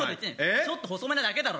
ちょっと細めなだけだろ。